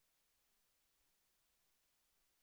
โปรดติดตามต่อไป